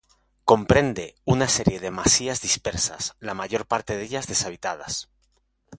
Comprende una serie de masías dispersas, la mayor parte de ellas deshabitadas.